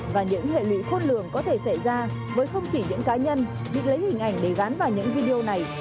và những hệ lụy khôn lường có thể xảy ra với không chỉ những cá nhân bị lấy hình ảnh để gắn vào những video này